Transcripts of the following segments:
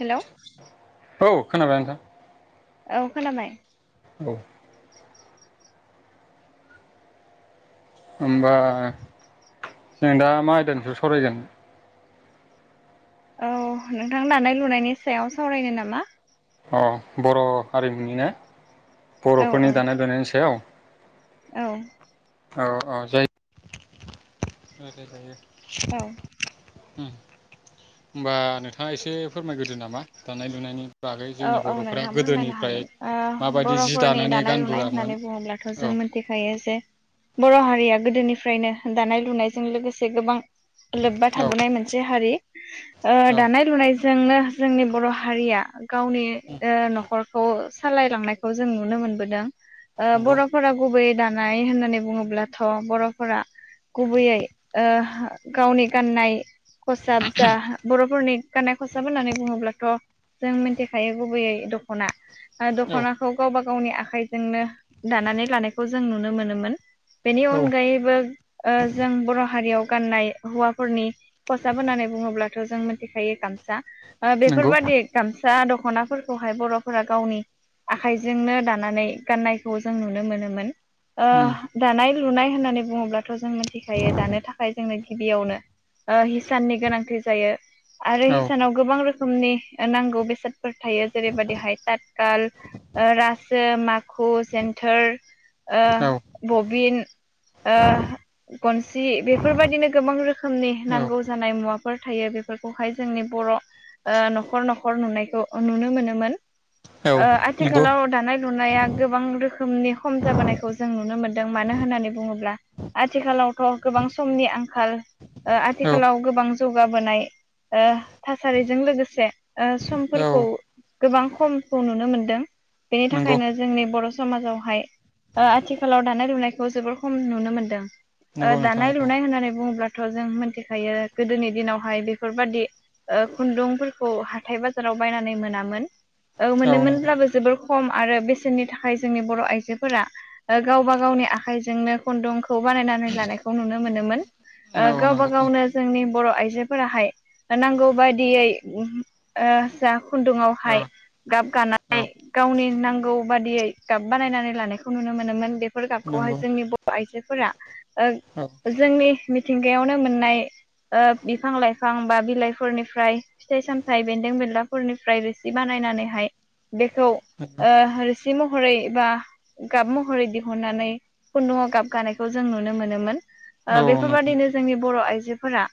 Hello औ खोनाबाय नोंथां। औ खोनाबाय औ होम्बा जों दा मा आयदानि सायाव सावरायगोन? औ नोंथां दानाय लुनायनि सायाव सावरायनो नामा? अ बर' हारिमुनि ना औ बर'फोरनि औ दानाय लुनायनि सायाव औ औ-औ जाय [inaudible] जायो औ ओ होमबा नोंथाङा एसे फोरमायग्रोदो नामा दानाय लुनायनि बागै जोंनि औ-औ बर'फोरा नोंथां फोरमायनो गोदोनिफ्राय हागोन ओ माबायदि जि बर'फोरनि दानानै दानाय लुनाय गानबोआमोन होननानै बुङोब्लाथ' औ जों मोथिखायो जे बर' हारिया गोदोनिफ्रायनो दानाय लुनायजों लोगोसे गोबां लोब्बा औ थाबोनाय मोनसे हारि ओ औ दानाय लुनाय जोंनो जोंनि बर' हारिया गावनि ओ न'खरखौ सालायलांनायखौ जों नुनो मोनबोदों ओ उम नंगौ बर'फोरा गुबैयै दानाय होननानै बुङोब्लाथ' बर'फोरा गुबैयै ओ गावनि गाननाय खसाब जा बर'फोरनि गाननाय खसाब होननानै बुङोब्लाथ' जों मि थिखायो गुबैयै दख'ना ओ औ दख'नाखौ गावबा गा गावनि आखाइजोंनो दानानै लानायखौ जों नुनो मोनोमोन बेनि औ अनगायैबो ओ जों बर' हारियाव गाननाय हौवाफोरनि खसाब होननानै बुङोब्लाथ' जों मोनथिखायो गामसा ओ नंगौ बेफोरबादि गामसा दख'नाफोरखौहाय बर'फोरा गावनि आखाइजोंनो दानानै गाननायखौ जों नुनो मोनोमोन ओ उम दानाय लुनाय होननानै बुङोब्लाथ' जों मिथिखायो दानो थाखाय जोंनो गिबियावनो ओ हिसाननि गोनांथि जायो आरो औ हिसानाव गोबां रोखोमनि नांगौ बेसाद फोर थायो जेरैबायदिहाय ततखाल ओ रासो माखु जेन्थोर ओ औ बबिन ओ गनसि बेफोरबायदिनो गोबां रोखोमनि औ नांगौ जानाय मुवा फोर थायो बेफोरखौहाय जोंनि बर' ओ न'खर न'खर नुनायखौ नुनो मोनोमोन। [inaudible] ओ नंगौ आथिखालाव दानाय लुनाया गोबां रोखोमनि खम जाबोनायखौ जों नुनो मोनदों मानो होननानै बुङोब्ला आथिखालावथ' गोबां समनि आंखाल ओ औ आथिखालाव गोबां जौगाबोनाय ओ थासारिजों लोगोसे ओ सम औ गोबां खमखौ नुनो मोनदों बेनि नंगौ थाखायनो जोंनि बर' समाजावहाय ओ आथिखालाव दानाय-लुनायखौ जोबोर खम नुनो मोनदों। ओ नंगौ नोंथां दानाय-लुनाय औ होननानै बुङोब्ला थ' जों मिनथिखायो गोदोनि दिनावहाय बेफोरबायादि ओ खुन्दुंफोरखौ हाथाइ-बाजार आव बायनानै मोनामोन ओ औ नंगौ मोनोमोनब्लाबो जोबोर खम। आरो बेसेननि थाखाय जोंनि बर' आइजोफोरा ओ गावबा गावनि आखाइजोंनो खुन्दुं खौ बानायनानै लानायखौ नुनो मोनोमोन ओ औ गावबा नंगौ गावनो जोंनि बर' आइ फोराहाय नांगौ बायदियै जा औ खुन्दुआवहाय गाब गानाय औ गावनि नांगौ बादियै गाब बानायनानै लानायखौ नुनो मोनोमोन बेफोर गाबखौहाय नंगौ जोंनि बर' आइजोफोरा ओ औ जोंनि मिथिंगायावनो मोननाय ओ बिफां-लाइफां बा बिलाइफोरनिफ्राय फिथाइ-सामथाइ बेन्दों-बेनला फोरनिफ्राय रोसि बानायनानैहाय बेखौ नंगौ ओ रोसि म महरै बा गाब महरै दिहुननानै खुन्दुङआव गाब गानायखौ जों नुनो मोनोमोन। ओ औ नंगौ बेफोरबायदिनो जोंनि बर' आइजोफोरा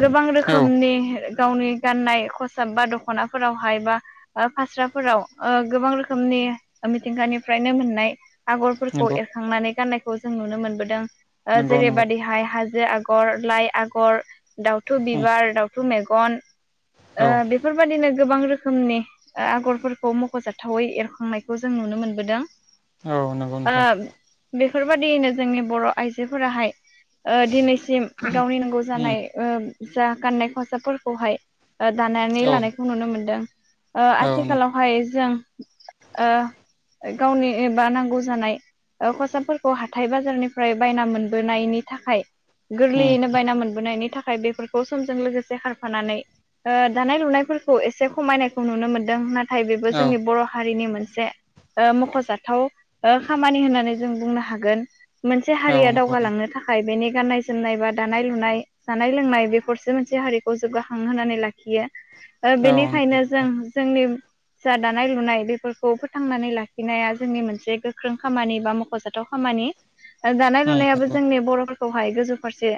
गोबां औ रोखोमनि। गावनि गाननाय खसाब बा दख खनाफोरावहाय बा फास्राफोरा ओ गोबां रोखोमनि मिथिंगानिफ्रायनो मोननाय। आगरफोरखौ नंगौ एरखांनानै गाननायखौ जों नुनो मोनबोदों ओ नंगौ नंगौ जेरैबादिहाय हाजो। आगर लाइ आगर दाउथु उम बिबार दउथु मेगन ओ औ बे। गोबां रोखोमनि आगरफोरखौ मख'जाथावै एरखांनायखौ जों नुनो मोनबोदों। औ नोंगौ नोथां। बेफोरबायदियैनो जोंनि बर' आइजोफोराहाय। ओ दिनैसिम गावनि नंगौ उम जानाय जा गाननाय खसाबफोरखौहाय। ओ दानानै औ लानायखौ नुनो मोनदों ओ औ नंगौ आथिखालावहाय जों। ओ गावनि एबा नांगौ जानाय। ओ खसाबफोरखौ हाथाय बाजारनिफ्राय बायना मोनबोनायनि थाखाय। उम गोरलैयैनो उम बायना मोनबोनायनि थाखाय बेफोरखौ समजों लोगोसे खारफानानै ओ दानाय लुनाय फोरखौ एसे खमायनायखौ नुनो मोनदों नाथाय बेबो औ जोंनि बर' हारिनि मोन नसे ओ मख'जाथाव ओ खामानि होननानै जों बुंनो हागोन। मोनसे औ हारिया नंगौ नंगौ दावगालांनो थाखाय बेनि गाननाय जोमनाय बा दानाय लुनाय जानाय लोंनाय बेफोरसो मोनसे हारिखौ जौगाखांहोनानै लाखियो। औ नंगौ बेनिखायनो जों नोंथां जोंनि जा दानाय लुनाय बेफोरखौ फोथांनानै लाखिनाया जोंनि मोनसे गोख्रों खामानि बा मख'जाथाव खामानि। खामानि ओ दानाय उम लुनायाबो नंगौ जोंनि बर'फोरखौहाय गोजौ फारसे।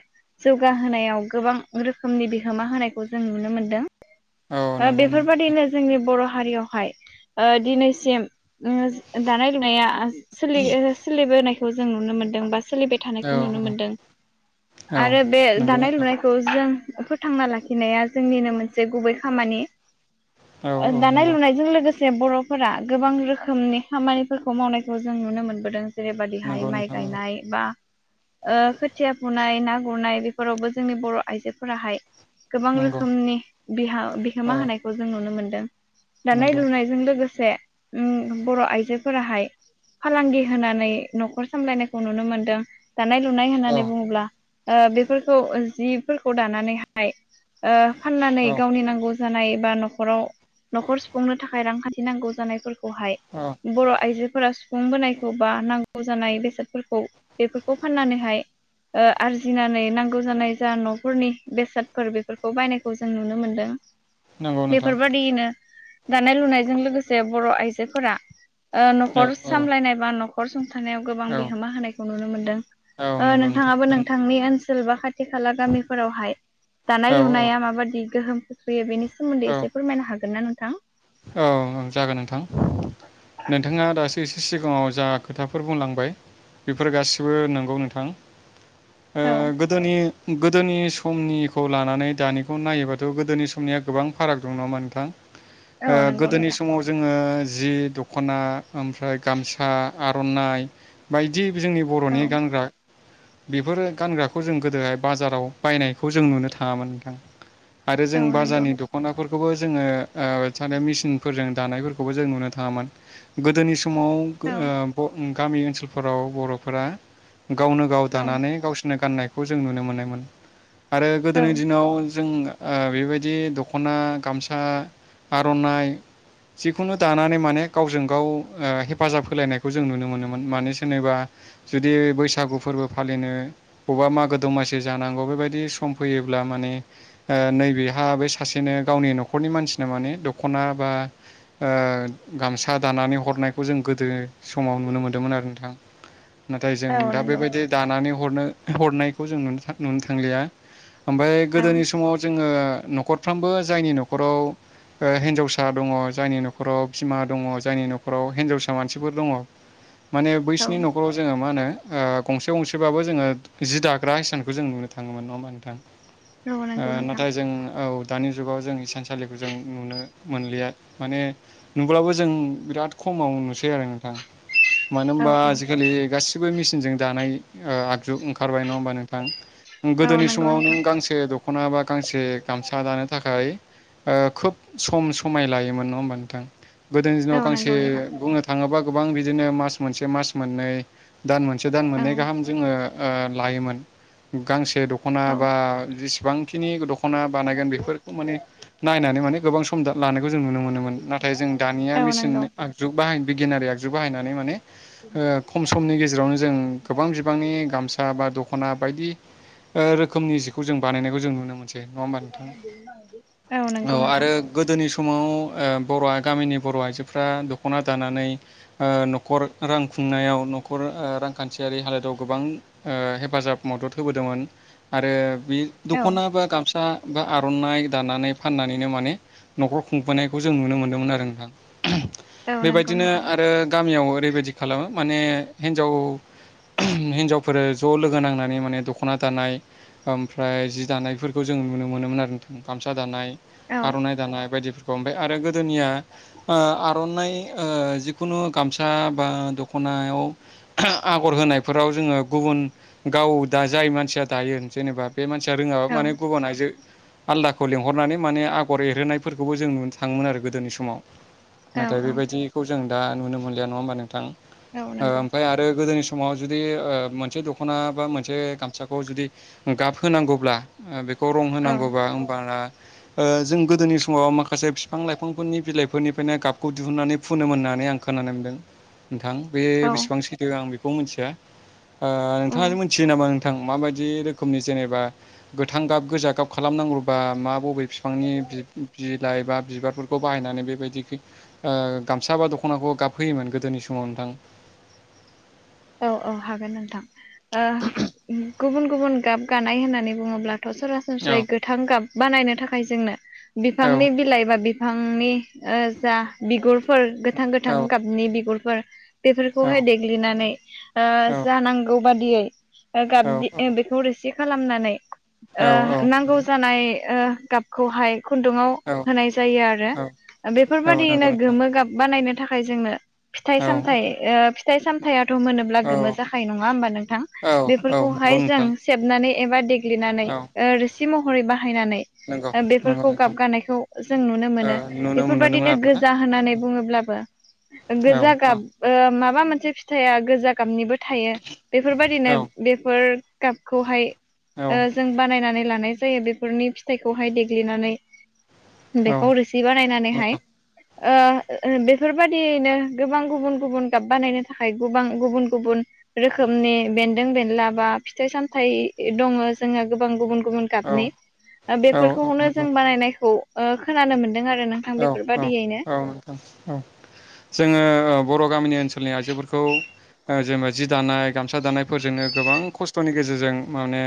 जौगाहोनायाव गोबां रोखोमनि बिहोमा होनायखौ जों नुनो मोनदों। औ ओ नंगौ नंगौ बेफोरबाददिनो जोंनि बर' हारियावहाय दिनैसिम। ओ दानाय लुनाया सोलि सोलिबोनायखौ जों नुनो मोनदों बा। सोलिबाय औ थानायखौ नुनो मोनदों औ आरो बे नंगौ दानाय नोंथां लुनायखौ जों। फोथांना लाखिनाया जोंनिनो मोनसे गुबै खामानि। औ ओ औ दानाय नंगौ लुनायजों लोगोसे। बर'फोरा गोबां रोखोमनि खामानिफोरखौ मावनायखौ जों नुनो मोनबोदों। जेरैबादिहाय नंगौ माइ नोंथां औ गायनाय बा ओ खोथिया। गुरनाय ना गुरनाय बेफोरावबो जोंनि बर' आइजोफोराहाय गोबां नंगौ रोखोमनि बिहा। बिहोमा औ होनायखौ जों नुनो मोनदों दानाय नंगौ लुनायजों लोगोसे। [inaudible] उम बर' आइजोफोराहाय फालांगि होनानै न'खर सामलायनायखौ नुनो मोनदों। दानाय लुनाय औ होननानै बुङोब्ला। ओ बेफोरखौ जिफोरखौ दानानैहाय फाननानै औ गावनि नांगौ। जानाय बा न'खाव न'खर सुफुंनो थाखाय रांखान्थि नांगौ जानायफोरखौ। खौहाय औ बर आइजोफोरा सु। फुं बोनायखौ बा नांगौ जानाय बेसादफोरखौ बेफोरखौ फाननानैहाय। ओ आरजिनानै नांगौ जानाय जा न'फोरनि बेसादफोर बेफोरखौ बायनायखौ जों नुनो मोनदों। नंगौ नोंथां बेफोरबादियैनो दानाय लुनायजों लोगोसे बर' आइजोफोरा। ओ औ न'खर औ सामलायनाय बा न'खर सं। थानायाव गोबां औ बिहोमा होनायखौ नुनो मोनदों औ नंगौ नोंथां नोंथाङाबो नोंथांनि ओनसोल बा खाथि। खाथि खाला गामिफोरावहाय दानाय औ औ लुनाया माबायदि गोहोम खोख्लैयो बेनि सोमोन्दै एसे फोरमायनो हागोन ना नोंथां। औ औ जागोन नोंथां नोंथाङा दासो। एसे सिगाङाव जा खोथाफोर बुंलांबाय बेफोर गासिबो नंगौ नोंथां। ओ औ गोदोनि। गोदोनि समनिखौ लानानै दानिखौ नायोबाथ' गोदोनि समनिया गोबां फाराग दं नाङाहोमबा नोंथां। ओ औ नंगौ गोदोनि नोंथां समाव जोंङो। जि दखना ओमफ्राय गामसा आरनाइ बायदि। जोंनि बरनि औ गानग्रा बेफोर गानग्राखौ जों गोदोहाय बाजाराव बायनायखौ जों नुनो थाङांमोन नोंथां आरो जों औ नंगौ बाजारनि दख'नाफोरखौबो जोंङो ओ मेसिनफोरजों दानायफोरखौबो जों नुनो थाङांमोन गोदोनि गो ओ औ ब उम गामि ओनसोलफोराव ब'फोरा गावनो गाव औ दानानै गावसोरनो गाननाय खौ जों नुनो मोननायमोन आरो औ गोदोनि दिनाव जों गा ओ बेबायदि दखना गामसा आरनाइ जिखुनु दानानै माने गावजों गाव ओ हेफाजाब होलायनायखौ जों नुनो मोनोमोन माने सोरनिबा जुदि बैसागु फोरबो फालिनो बबेबा मागो दमासि जानांगौ बेबायदि सम फैयोब्ला माने ओ नैबेहा बै सासेनो गावनि न'खरनि मानसि माने दख'ना बा ओ गामसा दानानै हरनायखौ जों गोदो समाव नुनो मोन्दोंमोन आरो नोंथां नाथाय जों औ दा नंगौ बेबायदि दानानै हरनो हनायखौ जों नुनो थां नुनो थांलिया ओमफ्राय औ गोदोनि समाव जोंङो न' खरफ्रोमबो जायनि नखराव हिनजावसा दंङ जायनि न'खराव बिमा दंङ जायनि न'खराव हिनजावसा मानसिफोर दंङ माने औ बैसिनि न'खराव जोंङो मा होनो ओ गंसे गंसेबाबो जोंङो जि दाग्रा हिसानखौ जों नुनो थाङोमोन नंङा होमबा नोंथां? औ ओ नंगौ नोंथां नाथाय जों औ दानि जुगाव जों इसानसालिखौ जों नुनो मोनलिया माने नुब्लाबो जों बिराद खमाव नुसै आरो नोंथां मानो औ होनबा औ आजिखालि गासिब बो मिचिनजों दानाय ओ आगजु ओंखारबाय नंङा होमबा नोंथां उम औ गोदोनि नंगौ समाव नों नोंथां गांसे दखना बा गांसे गामसा दानो थाखाय ओ खोब सम समाय लायोमोन नंङा होमबा नोंथां गोदोनि दिनाव औ गांसे नंगौ नोंथां बुंनो थांङोबा गोबां बिदिनो मास मोनसे मास मोननै दान मोनसे दान औ मोननै गाहाम जोंङो ओ लायोमोन गांसे दख'ना औ बा जेसेबांखिनि दख'ना बानायगोन बेफोरखौ माने मानि माने गोबां सम दा लानायखौ जों नुनो मोनोमोन नाथाय जों दानिया औ मेसिन नंगौ आगजु बाहाय बिगियानारि आगजु बाहायनानै माने ओ खम समनि गेजेरावनो जों गोबां बिबांनि गामसा बा दखना बायदि ओ रोखोमनि जिखौ जों बानायनायखौ जों नुनो मोनसै नंङा होमबा नोंथाङा नंगौ औ नोंथां आरो गोदोनि समाव ओ बर'आ गामिनि बरआइजोफ्रा दख'ना दानानै ओ न'खर रां खुंनायाव नख न'खर ओ रांखान्थियारि हालोदाव गोबां ओ हेफाजाब मदद होबोदोंमोन आरो बे औ दख'ना बा गामसा बा आरनाइ दानानै फाननानैनो माने न'खर खुंबोनायखौ जों नुनो मोन्दोंमोन आरो नोंथां औ नंगौ बेबायदिनो नोंथां आरो गामियाव ओरैबायदि खालामो माने हिन्जाव हिनजावफोर ज' लोगो नांनानै माने दख'ना दानाय ओमफ्राय जि दानाय बेफोरखौ जों नुनो मोनोमोन आरो नोंथां गामसा दानाय औ आर'नाइ दानाय बायदिफोरखौ खौ ओमफाय आरो गोदोनिया ओ आर'नाइ ओ जिखुनु गामसा बा दखना नायाव आगर होनायफोराव जोङो गुबुन गाव दा जाय मानसिया दायो जेनेबा बे मानसिया रोङाबा औ माने गुबुन आइजो आलदाखौ लिंहरनानै माने आगर एरहोनायफोरखौबो जों नुनो थाङोमोन आरो गोदोनि समाव औ नाथाय बेबायदिखौ जों दा नुनो मोनलिया नङा होमबा नोंथां औ ओ नंगौ ओमफ्राय आरो गोदोनि समाव जुदि ओ मोनसे दख दखना बा मोन गसाखौ जुदि गाब होनांगौब्ला खौ रं औ होनांगौबा होमबाना ओ जों गोदोनि समाव माखासे बिफां लाइफांफोरनि बिलाइफोरनिफ्रायनो गाबखौ दिहुननानै फुनोमोन होननानै आं खोनानो मोन्दों नोंथां बे बेसेबां औ सैथो आं बेखौ मिथिया ओ औ नोंथाङानो मिथियो नामा नोंथां? थां माबायदि रोखोमनि जेनेबा गोथां गाब गोजा गाब खालामनांगौबा मा बबे बिफांनि बि- बिलाइ बा बिबारफोरखौ बाहायनानै बेबायदि ओ गामसा बा दख'नाखौ गाबहैयोमोन गोदोनि समाव नोंथां औ औ हागोन नोंथां ओ गुबुन गुबुन गाब गानाय होननानै बुङोब्ला औ सरासनस्रायै गोथां गाब बानायनो थाखाय जोंनो औ बिफांनि बिलाइ बा बिफां बिफांनि जा बिगुरफोर गोथां गोथां गाबनि बिगुरफोर बेफोरखौहाय देग्लिनानै ओ जानांगौ बादियै गाबदि बेखौ रोसि खालामनानै औ ओ नांगौ जानाय ओ‌ गाबखौहाय खुन्दुाव औ होनाय जायो आरो औ औ नंगौ बेफोरबायदिनो नोंथां गोमो गाब बानायनो था थाखाय जोंनो फिथाइ औ सामथाय ओ फथाय सामथाया मोनोब्ला औ गोमो जाखानाय नङा होमबा नोंथां औ औ नंगौ बेफोरखौहाय जों नोंथां सेबनानै एबादेग लिनानै औ ओ रोसि महरै बाहायनानै नंगौ नंगौ बेफोरखौ नोंथां गाबगानायखौ जों नुनो ओ मोनो नुनो मोनबोदोंमोन बेफोरबायदिनो आरोना गोजा होननानै बुङोब्लाबो औ गोजा गाब ओ माब माबा मोनसे फिथाइया गोजा गाबनिबो थायो औ बेफोरबायदिनो बेफोर गाबखौहाय औ ओ जों बानायनानै लानाय जायो बेफोरनि फिथाइखौहाय देग्लिनानै औ बेखौ रोसि बानायनानैहाय नंगौ ओ बेफोरबायदियैनो गोबां गुबुन गुबुन गाब बानायनो थाखाय गोबां गुबुन गुबुन रोखोमनि बेन्दों बेनला बा फिथाइ सामथाइ दङो जोंहा गोबां गुबुन गुबुन औ गाबनि औ बेफोरखौनो जों नंगौ बानायनायखौ ओ खोनानो मोनदों आरो नोंथां औ औ बेफोरबादियैनो औ नांथां औ जोङो बर' गामिनि ओनसोलनि आइजोफोर खौ जेनबा जि दानाय गामसा दानायफोरजोंनो गोबां खस्थ'नि गेजेरजों माने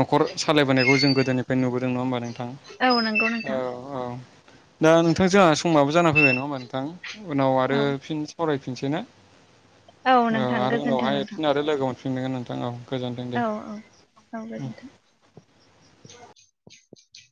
न'खर सा सालायबोनायखौ जों गोदोनिफ्राय नुबोदों नङा होमबा नोंथां औ नंगौ नोंथां औ औ दा नोंथां जोंहा समाबो जाना फैबाय नङा होमबा नोंथां उनाव आरो औ फिन सरायफिनसै ने औ नोंथां आरो गोजोन्थों उनावहाय नोंथां फिन आरो लोगो मोनफिनगोन नोंथां औ गोजोनथों दे औ औ गोजोन्थों [inaudible]